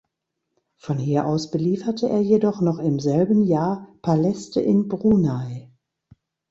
Von hier aus belieferte er jedoch noch im selben Jahr Paläste in Brunei.